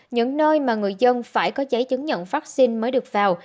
những nơi mà người dân phải có giấy chứng nhận vaccine mới được vào